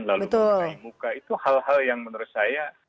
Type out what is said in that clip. lalu mengenai muka itu hal hal yang menurut saya